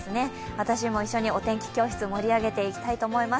私も一緒にお天気教室盛り上げていきたいと思います。